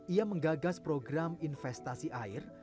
ia menggagas program investasi air